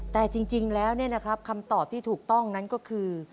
แต่จริงแล้วคำตอบที่ถูกต้องนั้นก็คือ